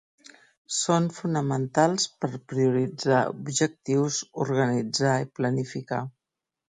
Són fonamentals per prioritzar objectius, organitzar i planificar.